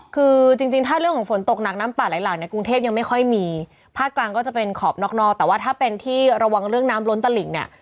คือจริงจริงถ้าเรื่องของฝนตกหนักน้ำป่าไหลหลากในกรุงเทพยังไม่ค่อยมีภาคกลางก็จะเป็นขอบนอกนอกแต่ว่าถ้าเป็นที่ระวังเรื่องน้ำล้นตะหลิ่งเนี่ย